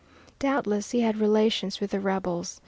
Doubtless he had relations with the rebels.